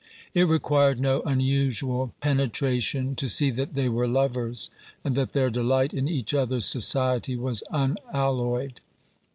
It required no unusual penetration to see that they were lovers and that their delight in each other's society was unalloyed.